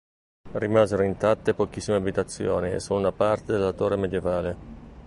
Rimasero intatte pochissime abitazioni e solo una parte della torre medievale.